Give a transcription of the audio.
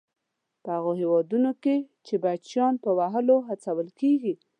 په هغو هېوادونو کې چې بچیان په وهلو هڅول کیږي.